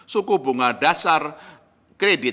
suku bunga dasar kredit